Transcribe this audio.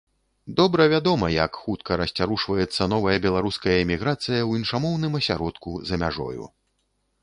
Добра вядома, як хутка расцярушваецца новая беларуская эміграцыя ў іншамоўным асяродку за мяжою.